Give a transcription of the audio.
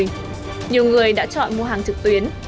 nhiều người đã chọn mua hàng trực tuyến